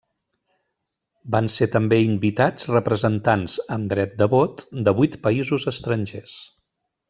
Van ser també invitats representants, amb dret de vot, de vuit països estrangers.